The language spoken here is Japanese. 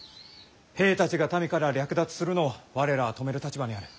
兵たちが民から略奪するのを我らは止める立場にある。